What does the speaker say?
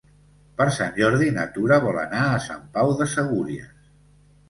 Per Sant Jordi na Tura vol anar a Sant Pau de Segúries.